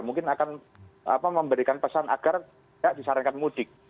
mungkin akan memberikan pesan agar tidak disarankan mudik